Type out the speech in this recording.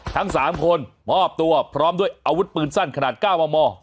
ทั้ง๓คนมอบตัวพร้อมด้วยอาวุธปืนสั้นขนาด๙มม